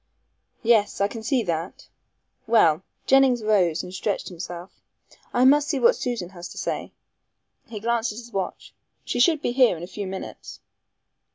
"Yes! I can see that. Well," Jennings rose and stretched himself. "I must see what Susan has to say"; he glanced at his watch; "she should be here in a few minutes."